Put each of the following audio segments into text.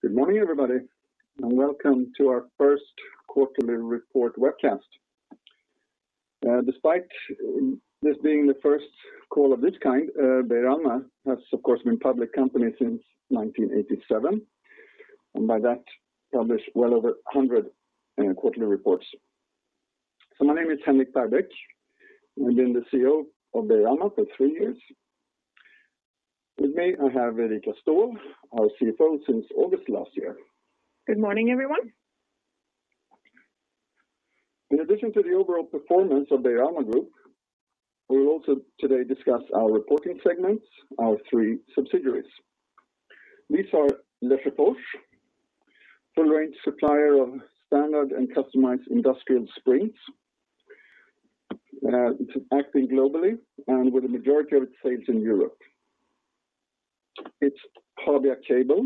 Good morning everybody, welcome to our first quarterly report webcast. Despite this being the first call of this kind, Beijer Alma has, of course, been a public company since 1987, by that, published well over 100 quarterly reports. My name is Henrik Perbeck. I've been the CEO of Beijer Alma for three years. With me, I have Erika Ståhl, our CFO since August last year. Good morning, everyone. In addition to the overall performance of Beijer Alma Group, we will also today discuss our reporting segments, our three subsidiaries. These are Lesjöfors, full range supplier of standard and customized industrial springs, acting globally and with the majority of its sales in Europe. It is Habia Cable,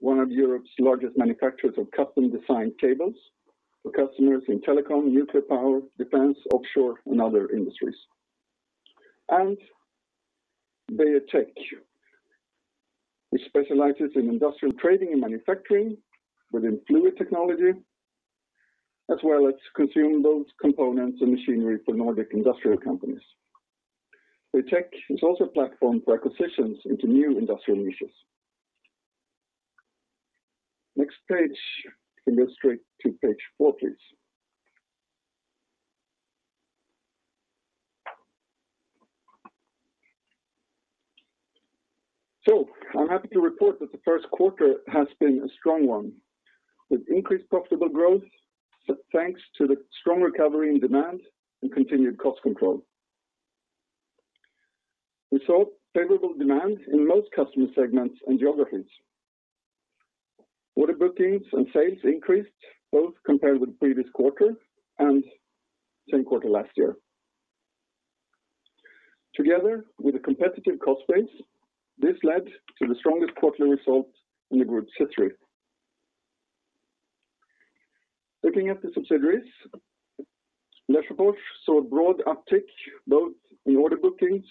one of Europe's largest manufacturers of custom designed cables for customers in telecom, nuclear power, defense, offshore, and other industries. Beijer Tech, which specializes in industrial trading and manufacturing within fluid technology, as well as consumable components and machinery for Nordic industrial companies. Beijer Tech is also a platform for acquisitions into new industrial niches. Next page. Can you go straight to page four, please? I am happy to report that the first quarter has been a strong one, with increased profitable growth, thanks to the strong recovery in demand and continued cost control. We saw favorable demand in most customer segments and geographies. Order bookings and sales increased both compared with the previous quarter and same quarter last year. Together with a competitive cost base, this led to the strongest quarterly result in the group's history. Looking at the subsidiaries, Lesjöfors saw a broad uptick both in order bookings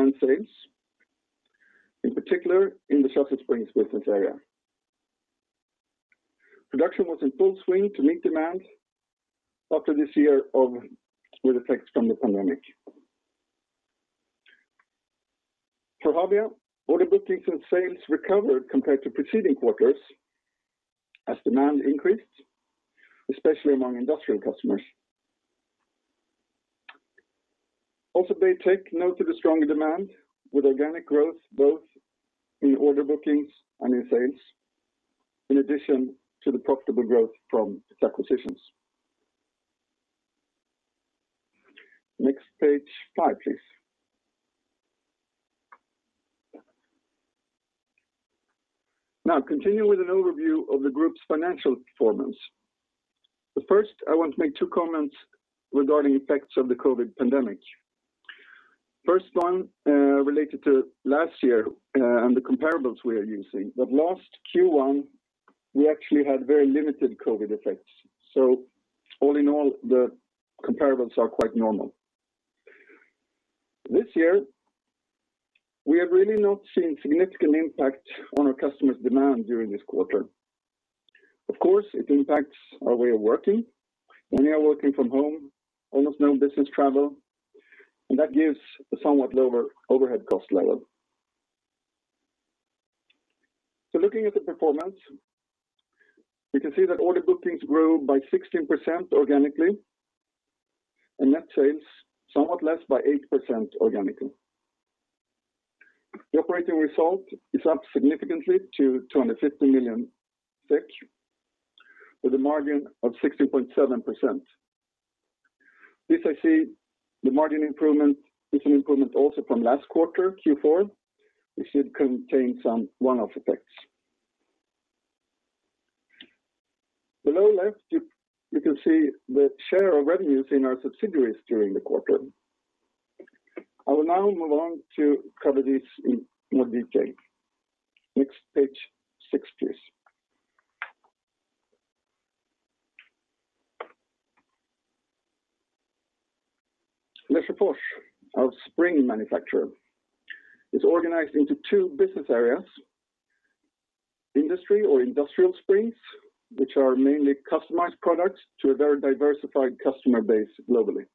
and sales, in particular in the chassis springs business area. Production was in full swing to meet demand after this year of weird effects from the pandemic. For Habia, order bookings and sales recovered compared to preceding quarters as demand increased, especially among industrial customers. Also, Beijer Tech noted a stronger demand with organic growth both in order bookings and in sales, in addition to the profitable growth from its acquisitions. Next, page five, please. Now, continuing with an overview of the group's financial performance. First, I want to make two comments regarding effects of the COVID pandemic. First one, related to last year, and the comparables we are using. Last Q1, we actually had very limited COVID effects. All in all, the comparables are quite normal. This year, we have really not seen significant impact on our customers' demand during this quarter. Of course, it impacts our way of working. Many are working from home, almost no business travel, and that gives a somewhat lower overhead cost level. Looking at the performance, we can see that order bookings grew by 16% organically, and net sales somewhat less by 8% organically. The operating result is up significantly to 250 million, with a margin of 16.7%. This I see the margin improvement is an improvement also from last quarter, Q4, which contained some one-off effects. Below left, you can see the share of revenues in our subsidiaries during the quarter. I will now move on to cover these in more detail. Next, page six, please. Lesjöfors, our spring manufacturer, is organized into two business areas, Industry or Industrial Springs, which are mainly customized products to a very diversified customer base globally.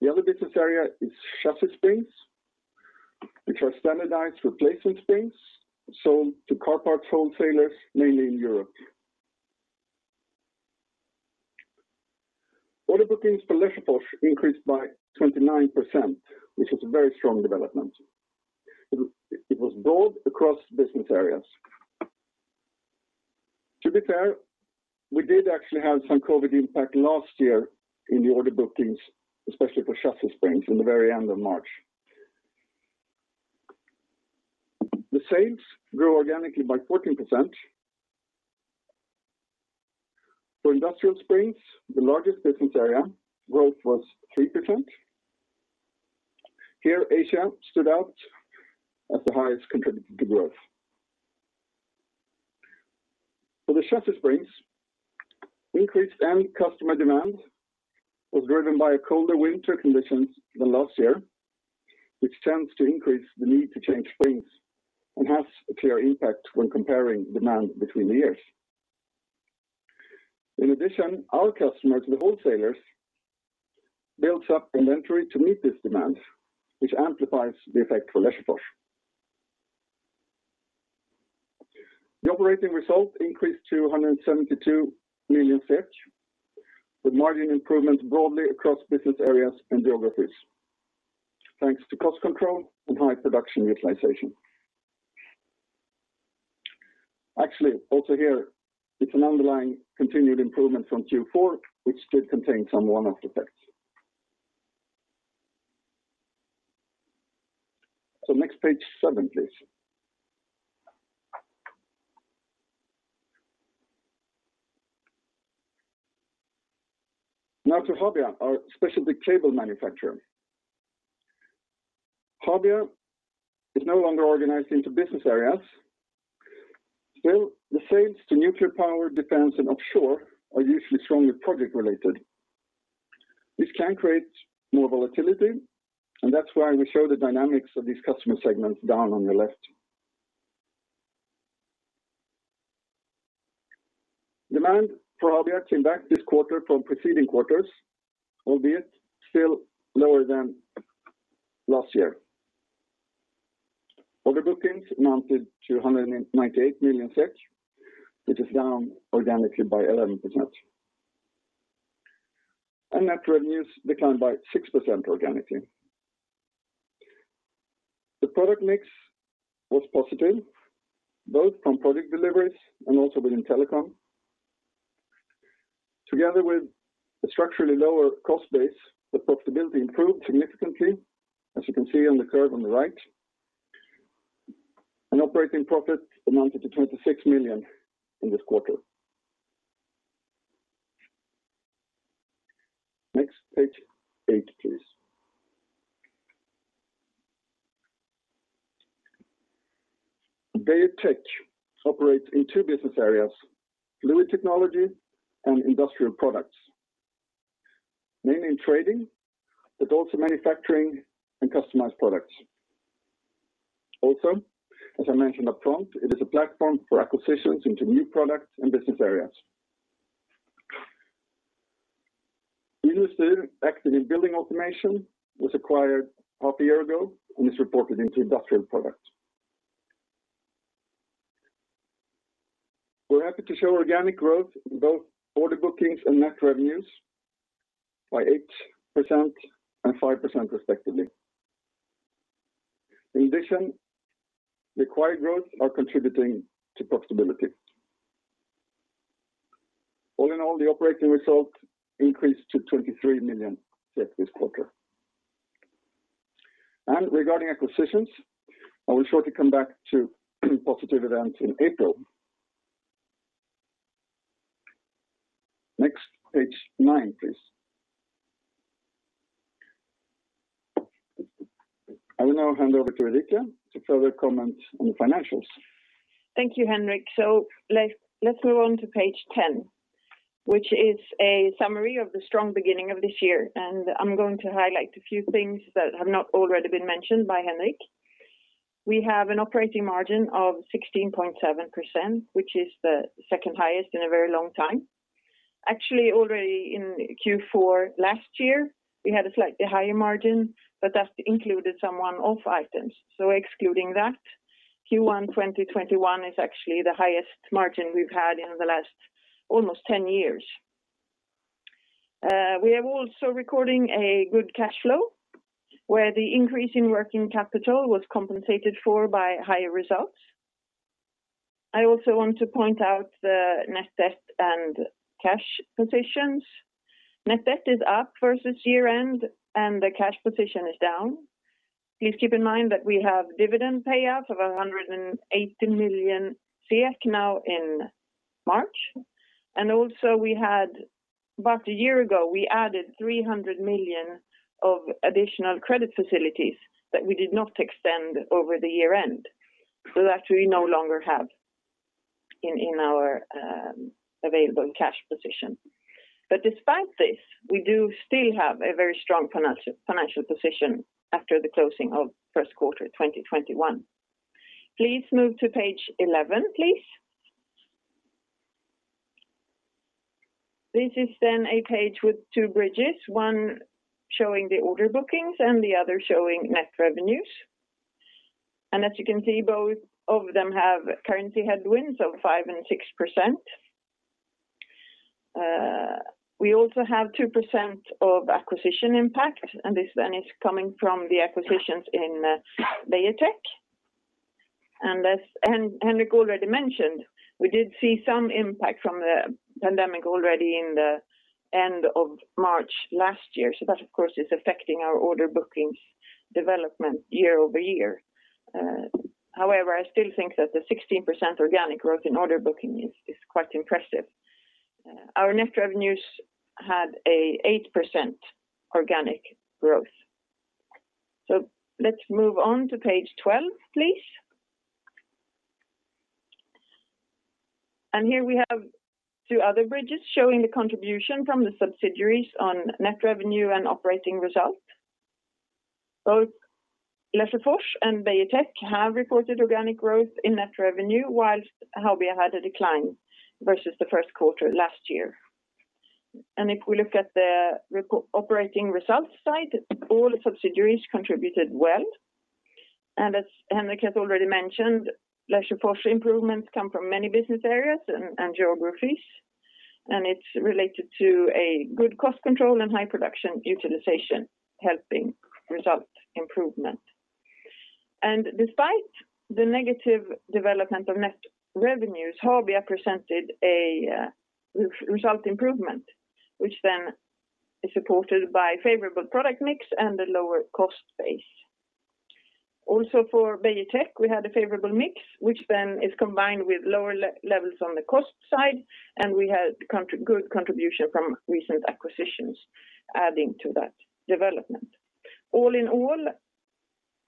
The other business area is Chassis Springs, which are standardized replacement springs sold to car parts wholesalers, mainly in Europe. Order bookings for Lesjöfors increased by 29%, which was a very strong development. It was broad across business areas. To be fair, we did actually have some COVID impact last year in the order bookings, especially for chassis springs in the very end of March. The sales grew organically by 14%. For Industrial Springs, the largest business area, growth was 3%. Here, Asia stood out as the highest contributor to growth. For the chassis springs, increased end customer demand was driven by a colder winter condition than last year, which tends to increase the need to change springs and has a clear impact when comparing demand between the years. In addition, our customers, the wholesalers, builds up inventory to meet this demand, which amplifies the effect for Lesjöfors. The operating result increased to 172 million, with margin improvements broadly across business areas and geographies, thanks to cost control and high production utilization. Actually, also here, it's an underlying continued improvement from Q4, which did contain some one-off effects. Next page seven, please. Now to Habia, our specialty cable manufacturer. Habia is no longer organized into business areas. Still, the sales to nuclear power, defense, and offshore are usually strongly project-related. This can create more volatility, and that's why we show the dynamics of these customer segments down on the left. Demand for Habia came back this quarter from preceding quarters, albeit still lower than last year. Order bookings amounted to 198 million, which is down organically by 11%. Net revenues declined by 6% organically. The product mix was positive, both from project deliveries and also within telecom. Together with the structurally lower cost base, the profitability improved significantly, as you can see on the curve on the right. Operating profit amounted to 26 million in this quarter. Next, page eight, please. Beijer Tech operates in two business areas, fluid technology and industrial products. Mainly in trading, but also manufacturing and customized products. As I mentioned upfront, it is a platform for acquisitions into new products and business areas. INUstyr, active in building automation, was acquired half a year ago and is reported into industrial products. We're happy to show organic growth in both order bookings and net revenues by 8% and 5% respectively. In addition, the acquired growth are contributing to profitability. All in all, the operating result increased to 23 million this quarter. Regarding acquisitions, I will shortly come back to positive events in April. Next, page nine, please. I will now hand over to Erika Ståhl to further comment on the financials. Thank you, Henrik. Let's move on to page 10, which is a summary of the strong beginning of this year, and I'm going to highlight a few things that have not already been mentioned by Henrik. We have an operating margin of 16.7%, which is the second highest in a very long time. Actually, already in Q4 last year, we had a slightly higher margin, but that included some one-off items. Excluding that, Q1 2021 is actually the highest margin we've had in the last almost 10 years. We are also recording a good cash flow, where the increase in working capital was compensated for by higher results. I also want to point out the net debt and cash positions. Net debt is up versus year-end, and the cash position is down. Please keep in mind that we have dividend payoffs of 180 million SEK now in March. Also we had, about a year ago, we added 300 million of additional credit facilities that we did not extend over the year-end. That we no longer have in our available cash position. Despite this, we do still have a very strong financial position after the closing of Q1 2021. Please move to page 11, please. This is a page with two bridges, one showing the order bookings and the other showing net revenues. As you can see, both of them have currency headwinds of 5% and 6%. We also have 2% of acquisition impact, this is coming from the acquisitions in Beijer Tech. As Henrik already mentioned, we did see some impact from the pandemic already in the end of March last year. That, of course, is affecting our order bookings development year-over-year. However, I still think that the 16% organic growth in order booking is quite impressive. Our net revenues had an 8% organic growth. Let's move on to page 12, please. Here we have two other bridges showing the contribution from the subsidiaries on net revenue and operating results. Both Lesjöfors and Beijer Tech have reported organic growth in net revenue, whilst Habia had a decline versus the first quarter last year. If we look at the operating results side, all subsidiaries contributed well. As Henrik has already mentioned, Lesjöfors improvements come from many business areas and geographies, and it's related to a good cost control and high production utilization helping result improvement. Despite the negative development of net revenues, Habia presented a result improvement, which then is supported by favorable product mix and a lower cost base. Also for Beijer Tech, we had a favorable mix, which then is combined with lower levels on the cost side, and we had good contribution from recent acquisitions adding to that development. All in all,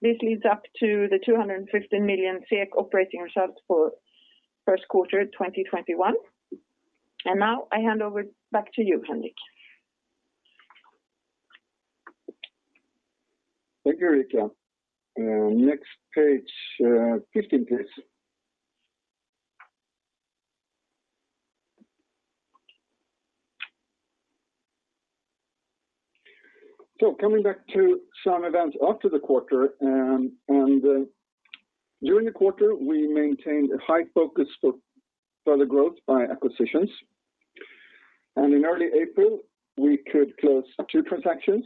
this leads up to the 215 million SEK operating results for first quarter 2021. Now I hand over back to you, Henrik. Thank you, Erika. Next page, 15, please. Coming back to some events after the quarter, and during the quarter, we maintained a high focus for further growth by acquisitions. In early April, we could close two transactions.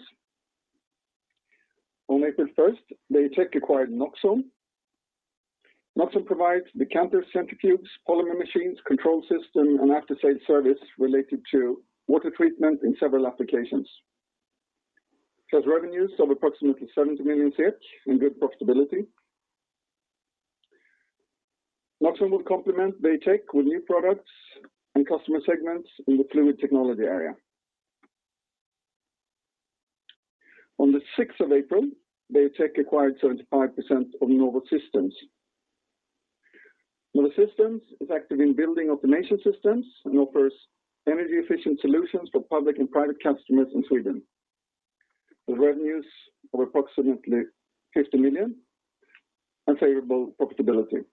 On April 1st, Beijer Tech acquired Noxon. Noxon provides decanter centrifuges, polymer machines, control system, and after-sale service related to water treatment in several applications. It has revenues of approximately 70 million and good profitability. Noxon will complement Beijer Tech with new products and customer segments in the fluid technology area. On the 6th of April, Beijer Tech acquired 75% of Novosystems. Novosystems is active in building automation systems and offers energy-efficient solutions for public and private customers in Sweden, with revenues of approximately 50 million and favorable profitability.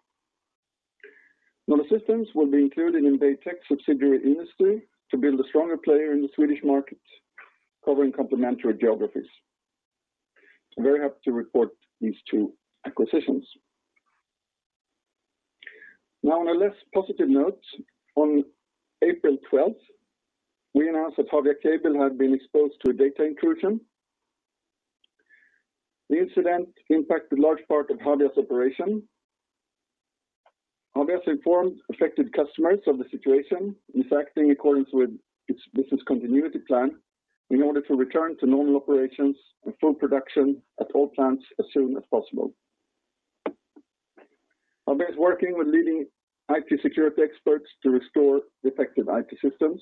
Novosystems will be included in Beijer Tech subsidiary in Sweden to build a stronger player in the Swedish market covering complementary geographies. I'm very happy to report these two acquisitions. On April 12th, we announced that Habia Cable had been exposed to a data intrusion. The incident impacted large part of Habia's operation. Habia has informed affected customers of the situation. It is acting according to its business continuity plan in order to return to normal operations and full production at all plants as soon as possible. Habia is working with leading IT security experts to restore affected IT systems.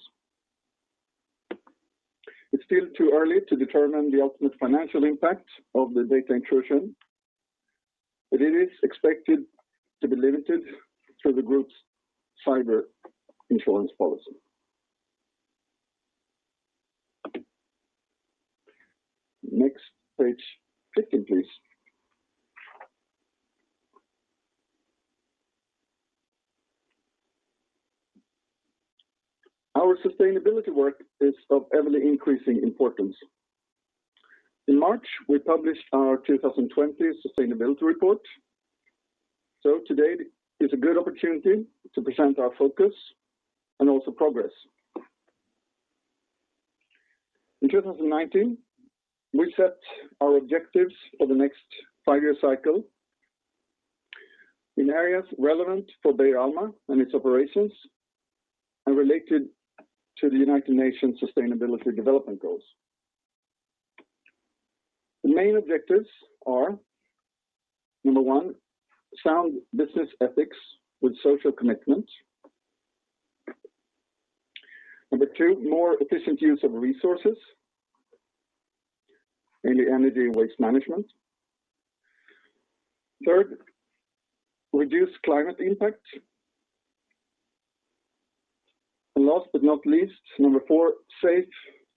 It's still too early to determine the ultimate financial impact of the data intrusion, but it is expected to be limited through the group's cyber insurance policy. Next page, 15, please. Our sustainability work is of heavily increasing importance. In March, we published our 2020 sustainability report. Today is a good opportunity to present our focus and also progress. In 2019, we set our objectives for the next five-year cycle in areas relevant for Beijer Alma and its operations and related to the United Nations sustainability development goals. The main objectives are, number one, sound business ethics with social commitment. Number two, more efficient use of resources, mainly energy and waste management. Third, reduce climate impact. Last but not least, number four, safe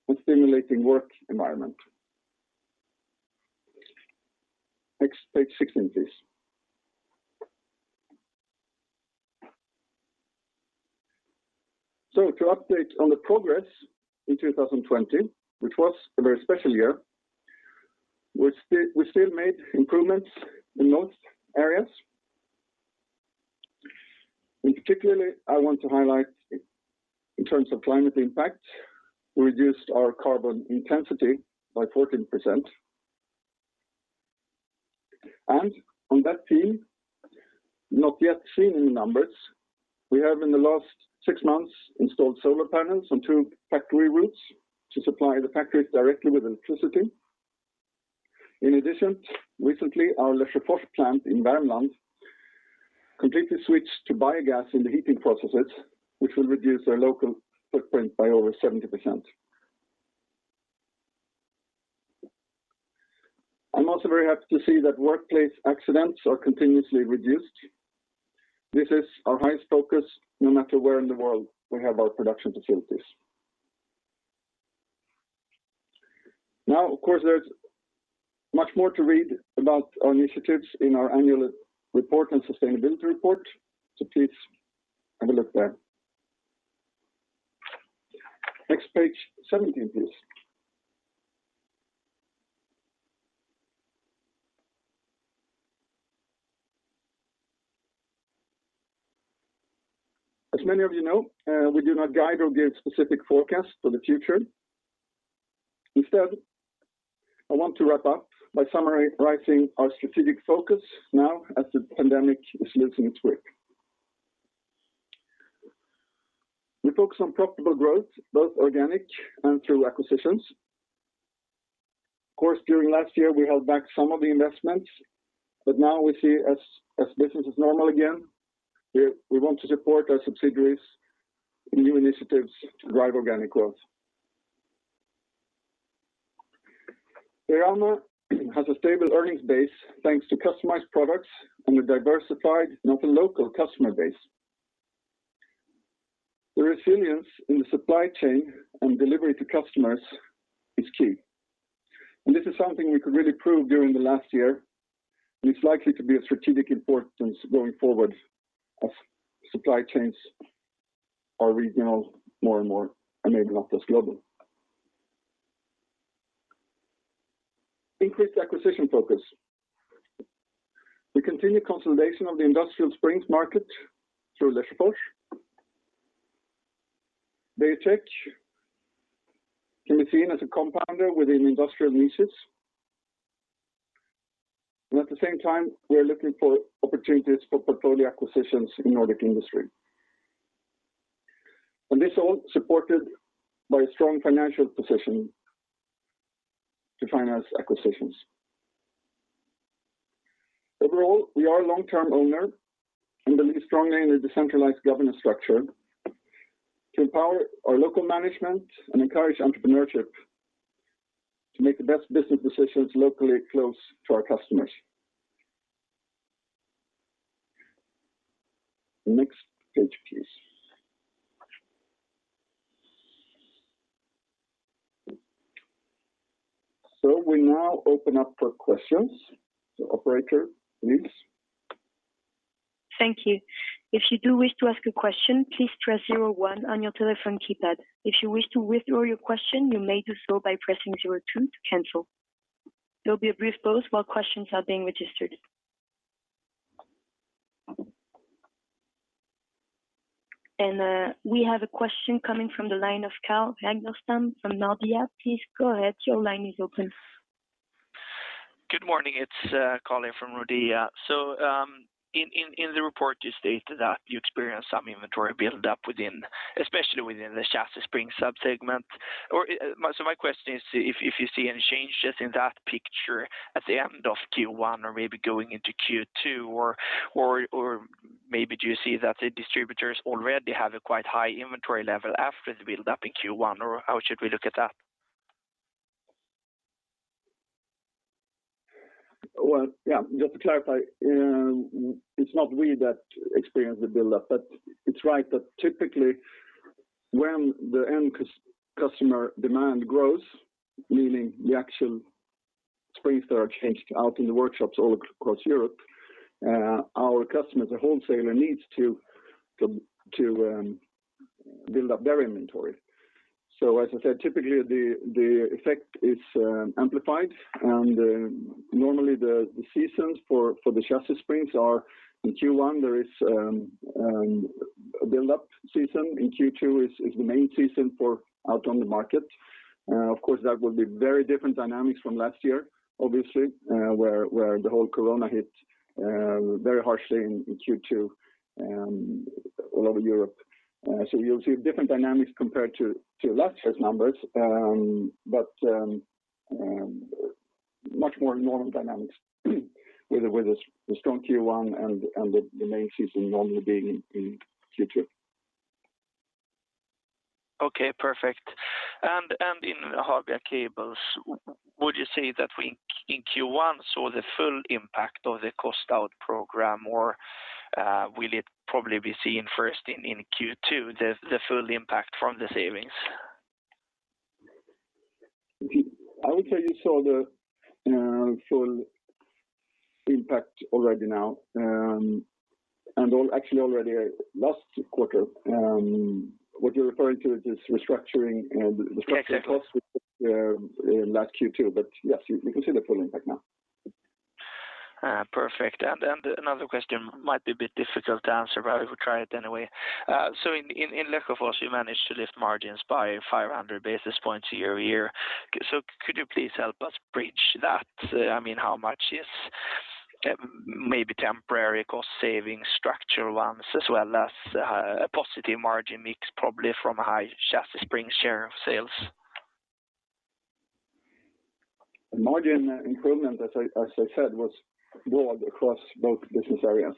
and stimulating work environment. Next page, 16, please. To update on the progress in 2020, which was a very special year, we still made improvements in most areas. In particular, I want to highlight in terms of climate impact, we reduced our carbon intensity by 14%. On that theme, not yet seen in the numbers, we have in the last 6 months installed solar panels on 2 factory roofs to supply the factories directly with electricity. In addition, recently, our Lesjöfors plant in Värmland completely switch to biogas in the heating processes, which will reduce our local footprint by over 70%. I am also very happy to see that workplace accidents are continuously reduced. This is our highest focus, no matter where in the world we have our production facilities. Now, of course, there is much more to read about our initiatives in our annual report and sustainability report, please have a look there. Next page 17, please. As many of you know, we do not guide or give specific forecasts for the future. Instead, I want to wrap up by summarizing our strategic focus now that the pandemic is losing its grip. We focus on profitable growth, both organic and through acquisitions. Of course, during last year, we held back some of the investments, but now we see as business is normal again, we want to support our subsidiaries in new initiatives to drive organic growth. Beijer Alma has a stable earnings base thanks to customized products and a diversified, not a local customer base. The resilience in the supply chain and delivery to customers is key, and this is something we could really prove during the last year, and it's likely to be of strategic importance going forward as supply chains are regional more and more and maybe not as global. Increased acquisition focus. We continue consolidation of the industrial springs market through Lesjöfors. Beijer Tech can be seen as a compounder within industrial niches. At the same time, we are looking for opportunities for portfolio acquisitions in the Nordic industry. This all supported by a strong financial position to finance acquisitions. Overall, we are a long-term owner and believe strongly in a decentralized governance structure to empower our local management and encourage entrepreneurship to make the best business decisions locally close to our customers. Next page, please. We now open up for questions. Operator, please. Thank you. If you do wish to ask a question, please press zero one on your telephone keypad. If you wish to withdraw your question, you may do so by pressing zero two to cancel. There'll be a brief pause while questions are being registered. We have a question coming from the line of Carl Ragnerstam from Nordea. Please go ahead. Your line is open. Good morning. It's Carl from Nordea. In the report, you state that you experienced some inventory buildup, especially within the chassis spring sub-segment. My question is if you see any changes in that picture at the end of Q1 or maybe going into Q2 or maybe do you see that the distributors already have a quite high inventory level after the buildup in Q1 or how should we look at that? Well, yeah, just to clarify, it's not we that experience the buildup, but it's right that typically when the end customer demand grows, meaning the actual springs that are changed out in the workshops all across Europe, our customer, the wholesaler, needs to build up their inventory. As I said, typically the effect is amplified and normally the seasons for the chassis springs are in Q1, there is a buildup season. In Q2 is the main season for out on the market. Of course, that will be very different dynamics from last year, obviously, where the whole Corona hit very harshly in Q2 all over Europe. You'll see different dynamics compared to last year's numbers, but much more normal dynamics with a strong Q1 and the main season normally being in Q2. Okay, perfect. In Habia Cable, would you say that we in Q1 saw the full impact of the cost out program, or will it probably be seen first in Q2, the full impact from the savings? I would say you saw the full impact already now, actually already last quarter. What you're referring to is restructuring. Exactly Restructuring costs in last Q2. Yes, you can see the full impact now. Perfect. Another question, might be a bit difficult to answer, but I would try it anyway. In Lesjöfors, you managed to lift margins by 500 basis points year-over-year. Could you please help us bridge that? How much is maybe temporary cost savings, structural ones, as well as a positive margin mix, probably from a high chassis springs share of sales? The margin improvement, as I said, was broad across both business areas.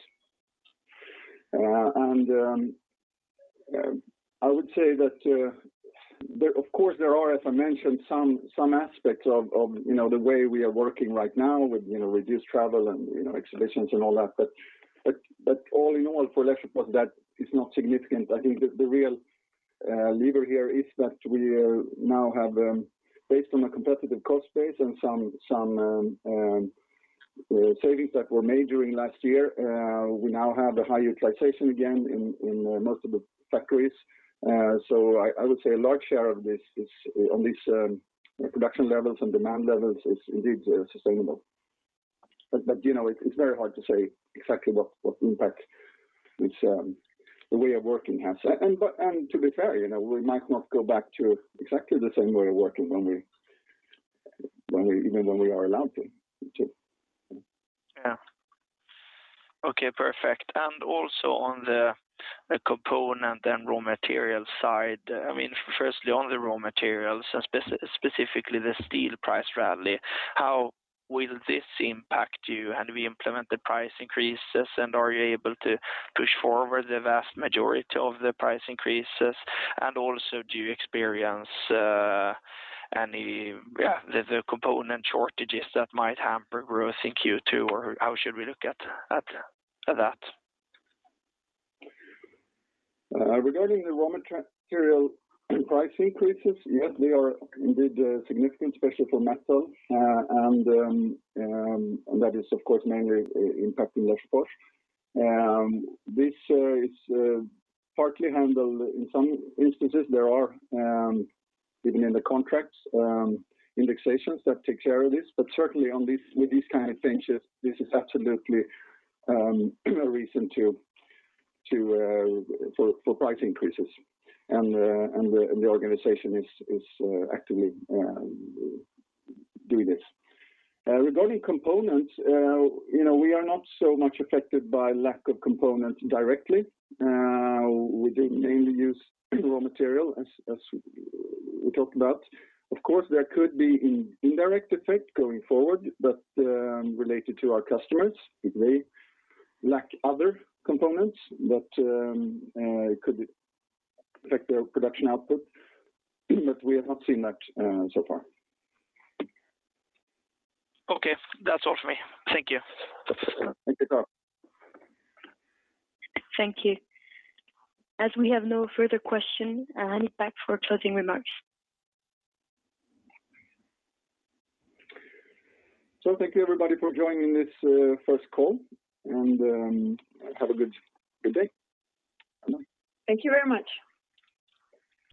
I would say that, of course, there are, as I mentioned, some aspects of the way we are working right now with reduced travel and exhibitions and all that. All in all, for Lesjöfors, that is not significant. I think the real lever here is that we now have, based on a competitive cost base and some savings that were made during last year, we now have a high utilization again in most of the factories. I would say a large share of this is on these production levels and demand levels is indeed sustainable. It's very hard to say exactly what impact the way of working has. To be fair, we might not go back to exactly the same way of working even when we are allowed to. Yeah. Okay, perfect. Also on the component and raw material side, firstly on the raw materials and specifically the steel price rally, how will this impact you? Have you implemented price increases, and are you able to push forward the vast majority of the price increases? Also, do you experience any component shortages that might hamper growth in Q2, or how should we look at that? Regarding the raw material price increases, yes, they are indeed significant, especially for metal. That is, of course, mainly impacting Lesjöfors. This is partly handled in some instances. There are, even in the contracts, indexations that take care of this, but certainly with these kind of changes, this is absolutely a reason for price increases, and the organization is actively doing this. Regarding components, we are not so much affected by lack of components directly. We mainly use raw material, as we talked about. Of course, there could be an indirect effect going forward, but related to our customers, if they lack other components that could affect their production output. We have not seen that so far. Okay. That's all from me. Thank you. Thank you, Carl. Thank you. As we have no further questions, Henrik Perbeck, back for closing remarks. Thank you everybody for joining this first call, and have a good day. Thank you very much.